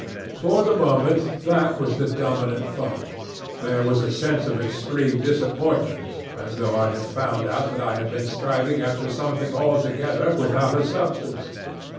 "For the moment that was the dominant thought. There was a sense of extreme disappointment, as though I had found out I had been striving after something altogether without a substance.